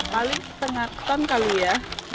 paling setengah ton kali ya